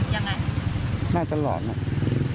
ยังไงนานตอนนั้นตอนยา